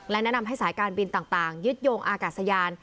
และแนะนำให้สายการบินต่างยึดโยงอากาศยาน